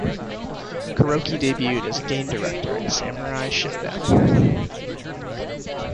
Kuroki debuted as game director in "Samurai Shodown".